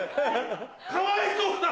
かわいそうだろ。